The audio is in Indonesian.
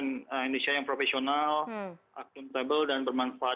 oke asn indonesia yang profesional akuntabel dan bermanfaat